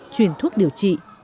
chuyển thuốc điều trị